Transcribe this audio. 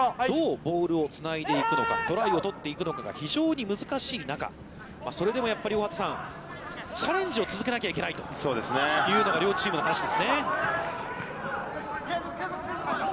どうボールをつないでいくのかトライを取っていくのかが非常に難しい中、それでもやっぱり大畑さん、チャレンジを続けなきゃいけないというのが両チームの話ですね。